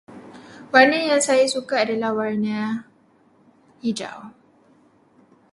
Warna yang saya suka ialah warna hijau.